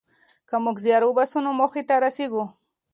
که موږ زیار وباسو نو موخې ته رسېږو.